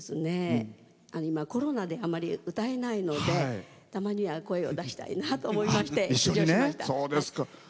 今、コロナであまり歌えないのでたまには声を出したいなと思いまして。